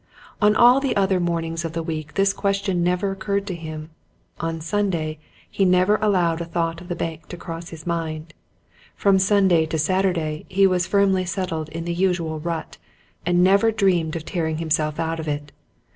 On all the other mornings of the week this question never occurred to him: on Sunday he never allowed a thought of the bank to cross his mind: from Sunday to Saturday he was firmly settled in the usual rut, and never dreamed of tearing himself out of it.